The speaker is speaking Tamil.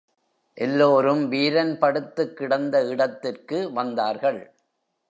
எல்லோரும் வீரன் படுத்துக்கிடந்த இடத்துக்கு வந்தார்கள்.